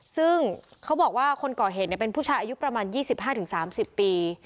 ซึ่งเขาบอกว่าคนก่อเหตุเนี้ยเป็นผู้ชายอายุประมาณยี่สิบห้าถึงสามสิบปี